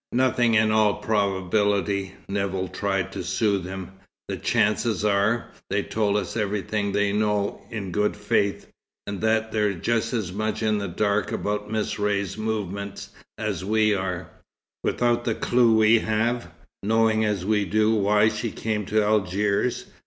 "Nothing, in all probability," Nevill tried to soothe him. "The chances are, they've told us everything they know, in good faith, and that they're just as much in the dark about Miss Ray's movements as we are without the clue we have, knowing as we do why she came to Algiers.